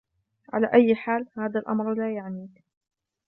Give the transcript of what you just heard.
على أي حال ، هذا الأمر لا يعنيك.